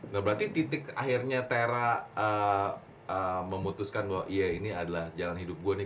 nah berarti titik akhirnya tera memutuskan bahwa iya ini adalah jalan hidup gua nih